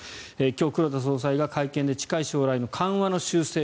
今日、黒田総裁が会見で近い将来の緩和の修正